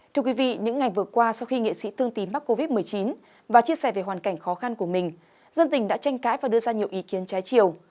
thưa quý vị những ngày vừa qua sau khi nghệ sĩ thương tín mắc covid một mươi chín và chia sẻ về hoàn cảnh khó khăn của mình dân tình đã tranh cãi và đưa ra nhiều ý kiến trái chiều